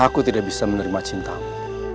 aku tidak bisa menerima cintamu